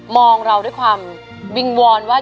เราด้วยความวิงวอนว่า